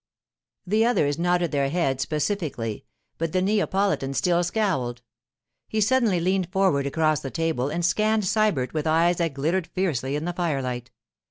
The others nodded their heads pacifically, but the Neapolitan still scowled. He suddenly leaned forward across the table and scanned Sybert with eyes that glittered fiercely in the firelight.